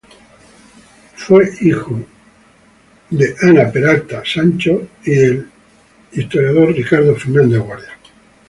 Fue hijo del historiador y diplomático Ricardo Fernández Guardia y Ana Peralta Sancho.